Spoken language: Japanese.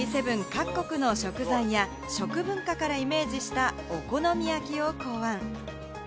各国の食材や食文化からイメージしたお好み焼きを考案。